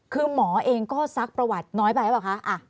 คือหมอเองก็ซักประวัติน้อยไปหรือเปล่าคะ